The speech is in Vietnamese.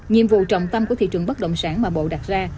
nhiệm vụ trọng tâm của thị trường bất động sản mà bộ đặt ra